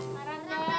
korang kak korang kak